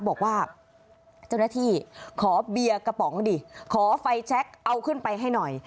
บอกว่าเจ้าหน้าที่ขอเบียร์กระป๋องดิขอไฟแชคเอาขึ้นไปให้หน่อย